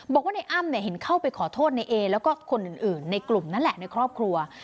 บอกว่าในอ้ำเห็นเข้าไปขอโทษในเอแล้วก็คนอื่นในกลุ่มนั่นแหละในครอบครัว